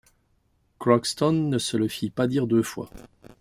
Crockston ne se le fit pas dire deux fois.